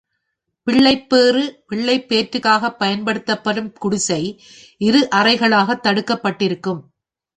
பிள்ளைப்பேறு பிள்ளைப் பேற்றுக்காகப் பயன்படுத்தப்படும் குடிசை, இரு அறைகளாகத் தடுக்கப்பட்டிருக்கும்.